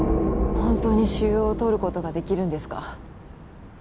本当に腫瘍をとることができるんですか？